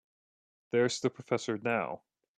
There's the professor now.